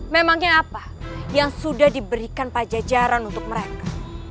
memangnya apa yang sudah diberikan pajajaran untuk mereka